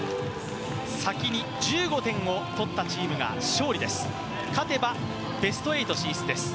先に１５点をとったチームが勝利です。